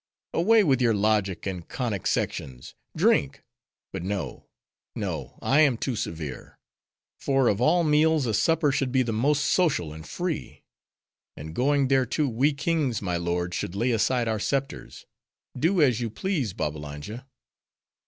"Away with your logic and conic sections! Drink!—But no, no: I am too severe. For of all meals a supper should be the most social and free. And going thereto we kings, my lord, should lay aside our scepters.— Do as you please Babbalanja."